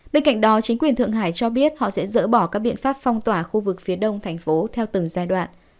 bên cạnh đó chính quyền thượng hải cho biết họ sẽ dỡ bỏ các biện pháp phong tỏa khu vực phía đông thành phố theo từng giai đoạn